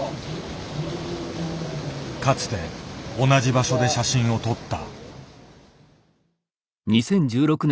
かつて同じ場所で写真を撮った。